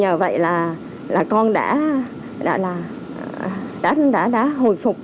nhờ vậy là con đã hồi phục